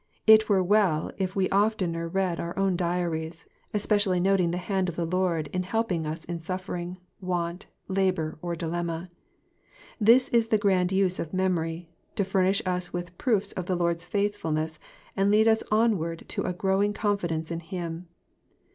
It were well if we oftener read our own diaries, especially noting the hand of the Lord in helping us in suffering, want, labour, or dilemma. This is the grand use of memory, to furnish us with proofs of the Lord's faithfulness, and lead us onward to a growing confi dence in him.